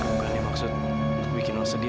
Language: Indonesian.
bukan ini maksud bikin lo sedih